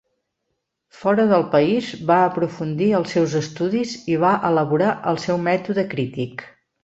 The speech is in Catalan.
Fora del país, va aprofundir els seus estudis i va elaborar el seu mètode crític.